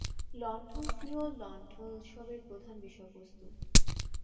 লণ্ঠন সিওল লণ্ঠন উৎসবের প্রধান বিষয়বস্তু।